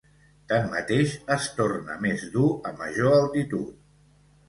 Tanmateix, es torna més dur a major altitud.